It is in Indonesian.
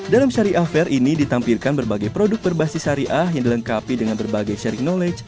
dalam syariah fair ini ditampilkan berbagai produk berbasis syariah yang dilengkapi dengan berbagai sharing knowledge